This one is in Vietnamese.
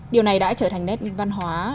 điều này đã trở thành nét văn hóa